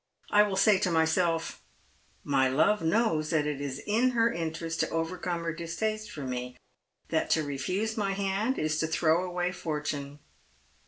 I will say to myself, ' My love knows that 'it is her interest to overcome her distaste for me, that to refuse my hand is to throw away fortune.